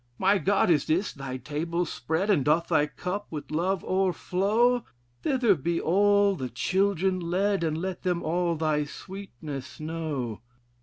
"'My God! and is thy table spread; And doth thy cup with love o'erflow? Thither be all the children led, And let them all thy sweetness know.'